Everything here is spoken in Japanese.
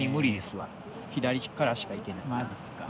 マジっすか。